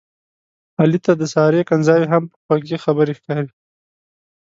علي ته د سارې کنځاوې هم په خوږې خبرې ښکاري.